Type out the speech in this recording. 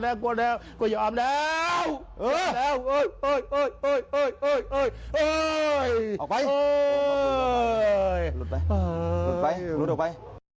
ลูกลูกออกไป